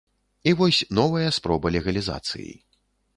І вось новая спроба легалізацыі.